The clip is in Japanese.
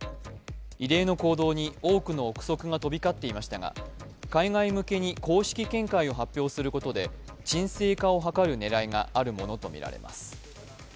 異例の行動に多くの憶測が飛び交っていましたが海外向けに公式見解を発表することで鎮静化を図る狙いがあるものとみられます。